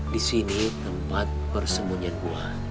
di sini tempat persembunyian buah